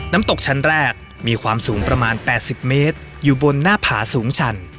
ตกชั้นแรกมีความสูงประมาณ๘๐เมตรอยู่บนหน้าผาสูงชัน